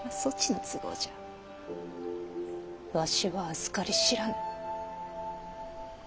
わしはあずかり知らぬ。